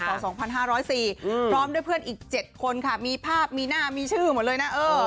พร้อมด้วยเพื่อนอีก๗คนค่ะมีภาพมีหน้ามีชื่อหมดเลยนะ